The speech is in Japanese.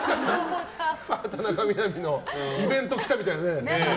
田中みな実のイベント来たみたいなね。